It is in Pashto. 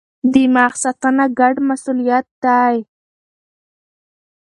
دماغ ساتنه ګډ مسئولیت دی.